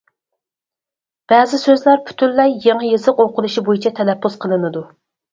بەزى سۆزلەر پۈتۈنلەي يېڭى يېزىق ئوقۇلۇشى بويىچە تەلەپپۇز قىلىنىدۇ.